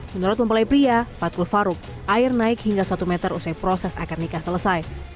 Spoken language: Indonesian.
menurut mempelai pria fatkul faruk air naik hingga satu meter usai proses akad nikah selesai